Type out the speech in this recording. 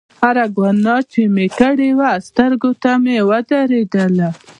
هره ګناه چې مې کړې وه سترګو ته مې ودرېدله.